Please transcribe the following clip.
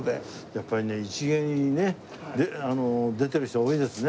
やっぱりね一芸にね出てる人が多いですね。